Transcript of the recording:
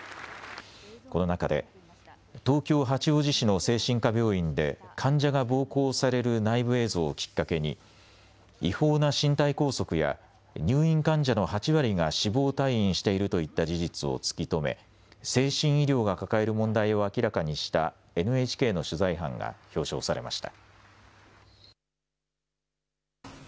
この中で東京八王子市の精神科病院で患者が暴行される内部映像をきっかけに違法な身体拘束や入院患者の８割が死亡退院しているといった事実を突き止め、精神医療が抱える問題を明らかにしたＮＨＫの取材班が表彰されました。